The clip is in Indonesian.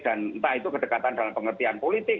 dan entah itu kedekatan dalam pengertian politik